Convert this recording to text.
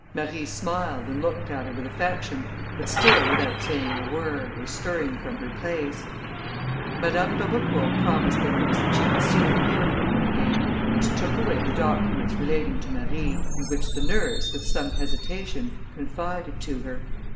Marie smiled, and looked at her with affection, but still without saying a word, or stirring from her place. Madame d'Aubecourt promised the nurse that she should soon hear from her again, and took away the documents relating to Marie, and which the nurse, with some hesitation, confided to her.